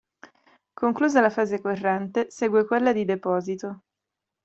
Conclusa la fase "corrente", segue quella di deposito.